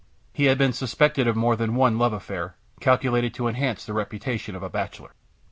He had been suspected of more than one love affair, calculated to enhance the reputation of a bachelor.